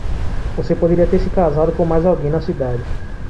Você poderia ter se casado com mais alguém na cidade.